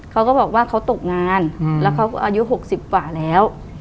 เขาก็บอกว่าเขาตกงานแล้วเขาอายุ๖๐กว่าแล้ว